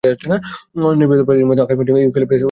নির্বাচিত প্রজাতির মধ্যে ছিল আকাশমণি, ইউক্যালিপটাস ও করই।